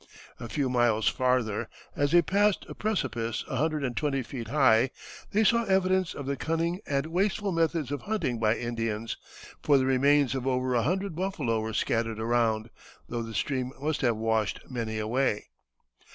A few miles farther, as they passed a precipice a hundred and twenty feet high, they saw evidence of the cunning and wasteful methods of hunting by Indians, for the remains of over a hundred buffalo were scattered around, though the stream must have washed many away.